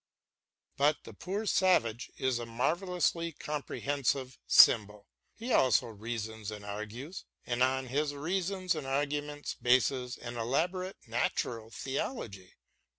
But the poor savage is a marvellously comprehensive symbol. He also reasons and argues, and on his reasons and arguments bases an elaborate natural theology.